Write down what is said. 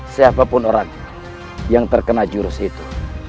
siapapun orang yang terkena jurus itu